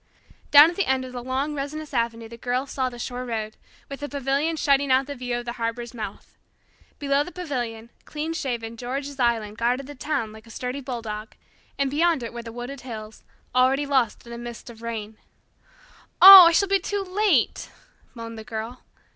Down at the end of the long resinous avenue the Girl saw the shore road, with the pavilion shutting out the view of the harbour's mouth. Below the pavilion, clean shaven George's Island guarded the town like a sturdy bulldog, and beyond it were the wooded hills, already lost in a mist of rain. "Oh, I shall be too late," moaned the Girl.